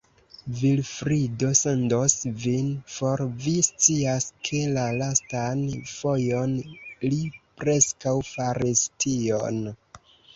Vilfrido sendos vin for; vi scias, ke, la lastan fojon, li preskaŭ faris tion.